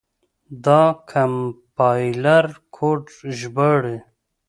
دا کمپایلر کوډ ژباړي.